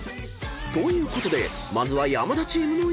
［ということでまずは山田チームの１勝］